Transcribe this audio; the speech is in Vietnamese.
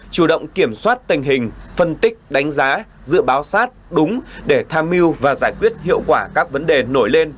chủ động kiểm soát tình hình phân tích đánh giá dự báo sát đúng để tham mưu và giải quyết hiệu quả các vấn đề nổi lên